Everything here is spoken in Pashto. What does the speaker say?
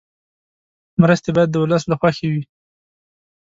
مرستې باید د ولس له خوښې وي.